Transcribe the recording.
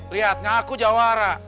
lihat ngaku jawara